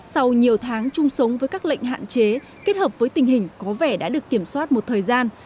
sau nhiều tháng chung sống với các lệnh hạn chế kết hợp với tình hình có vẻ đã được kiểm soát một thời gian